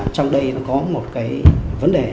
trong đây có một cái vấn đề